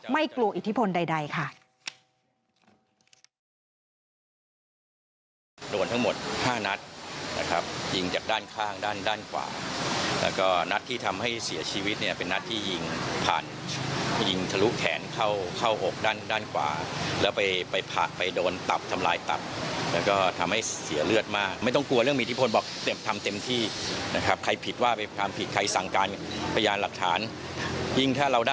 กลัวอิทธิพลใดค่ะ